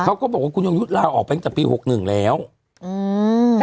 เขาก็บอกว่าคุณยงยุทธ์ลาออกไปตั้งแต่ปีหกหนึ่งแล้วอืม